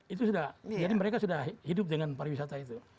itu sudah jadi mereka sudah hidup dengan pariwisata itu